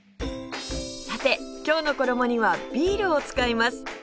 さて今日の衣にはビールを使います